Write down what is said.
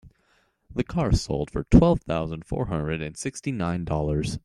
The car sold for twelve thousand four hundred and sixty nine dollars.